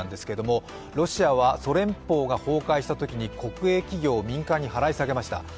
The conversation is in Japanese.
けれども、ロシアはソ連が崩壊した際に国営企業を民間に払い下げました。